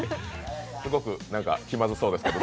すごく気まずそうですけど？